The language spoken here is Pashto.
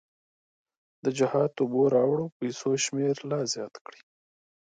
د جهاد اوبو راوړو پیسو شمېر لا زیات کړ.